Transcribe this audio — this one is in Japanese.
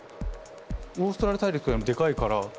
オーストラリア大陸よりもでかいから。